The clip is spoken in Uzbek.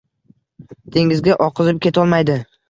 Dengizga oqizib ketolmaydi